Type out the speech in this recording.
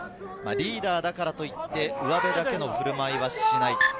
リーダーだからといって、うわべだけの振る舞いはしない。